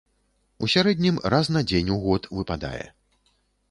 У сярэднім раз на дзень у год выпадае.